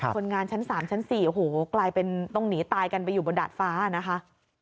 คนงานชั้น๓ชั้น๔โอ้โหกลายเป็นต้องหนีตายกันไปอยู่บนดาดฟ้านะคะ